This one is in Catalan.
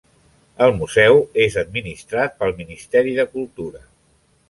El Museu és administrat pel Ministeri de Cultura.